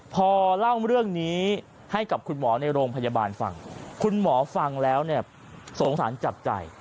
พอเล่าเรื่องนี้ให้กับคุณหมอในโรงพยาบาลฟังคุณหมอฟังแล้วเนี่ยสงสารจับใจ